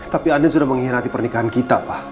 tapi andi sudah mengingatkan pernikahan kita pak